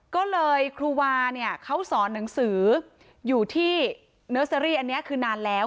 ก็เลยครูวาเนี่ยเขาสอนหนังสืออยู่ที่เนอร์เซอรี่อันนี้คือนานแล้ว